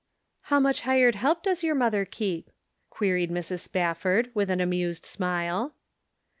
" How much hired help does your mother keep?" queried Mrs. Spafford, with an amused smile.